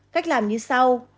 cách làm như sau